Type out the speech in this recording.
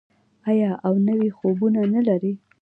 آیا او نوي خوبونه نلري؟